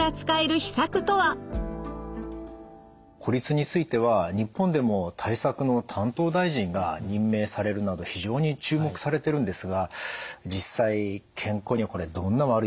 孤立については日本でも対策の担当大臣が任命されるなど非常に注目されてるんですが実際健康にはこれどんな悪い影響があるんでしょう？